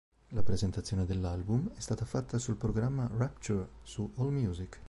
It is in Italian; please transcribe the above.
La presentazione dell'album è stata fatta sul programma Rapture su AllMusic.